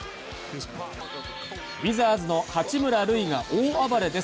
ウィザーズの八村塁が大暴れです。